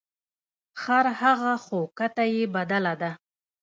ـ خرهغه خو کته یې بدله ده .